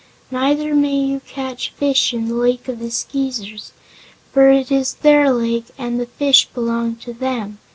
Neither may you catch fish in the Lake of the Skeezers, for it is their lake and the fish belong to them.